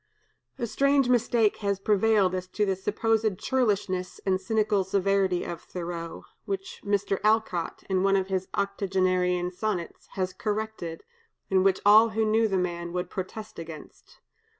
A strange mistake has prevailed as to the supposed churlishness and cynical severity of Thoreau, which Mr. Alcott, in one of his octogenarian sonnets, has corrected, and which all who knew the man would protest against.